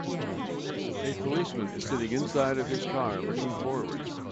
A policeman is sitting inside of his car looking forward.